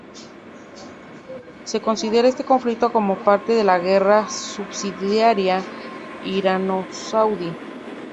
Se considera este conflicto como parte de la guerra subsidiaria irano-saudí.